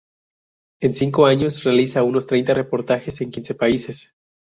En cinco años, realiza unos treinta reportajes en quince países.